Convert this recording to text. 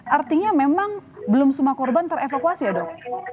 artinya memang belum semua korban terevakuasi ya dok